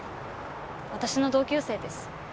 私の同級生です。